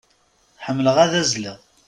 Ḥemmleɣ ad azzleɣ.